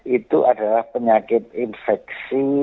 itu adalah penyakit infeksi